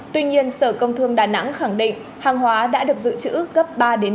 tuy nhiên sở công thương đà nẵng khẳng định hàng hóa đã được giữ chữ gấp ba năm